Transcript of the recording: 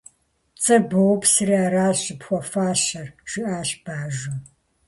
- Пцӏы боупсри, аращ щӏыпхуэфащэр, - жиӏащ бажэм.